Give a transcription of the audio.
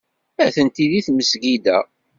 Atenti deg tmesgida.